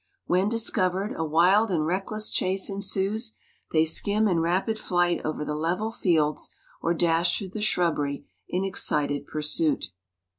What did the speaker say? When discovered, a wild and reckless chase ensues; they skim in rapid flight over the level fields, or dash through the shrubbery in excited pursuit.